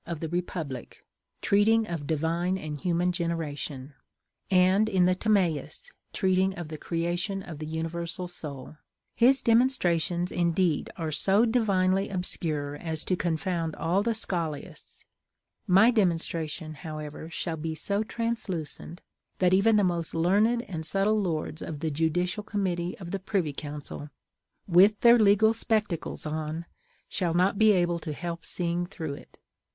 of "The Republic," treating of divine and human generation; and in the "Timæus," treating of the creation of the universal soul. His demonstrations, indeed, are so divinely obscure as to confound all the scholiasts; my demonstration, however, shall be so translucent that even the most learned and subtle lords of the Judicial Committee of the Privy Council, with their legal spectacles on, shall not be able to help seeing through it.